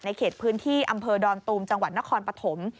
เขตพื้นที่อำเภอดอนตูมจังหวัดนครปฐม